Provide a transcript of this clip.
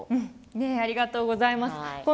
ありがとうございます。